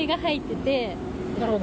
なるほど。